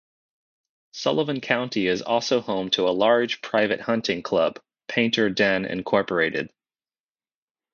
Sullivan County is also home to a large, private hunting club, "Painter Den, Inc".